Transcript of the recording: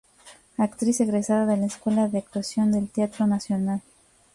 Actriz egresada de la Escuela de Actuación del Teatro Nacional.